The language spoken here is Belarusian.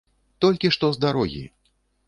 Толькі што з дарогі!